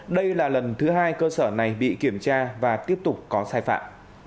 đây là lần thứ hai cơ sở này bị kiểm tra và tiếp tục có sai phạm